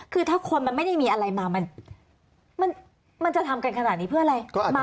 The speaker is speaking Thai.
คือถ้าคนมันไม่ได้มีอะไรมามันจะทำกันขนาดนี้เพื่ออะไร